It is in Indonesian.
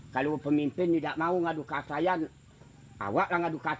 kalau pemimpin tidak mau dihukum anda akan dihukum